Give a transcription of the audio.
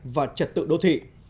và trật tự đô thị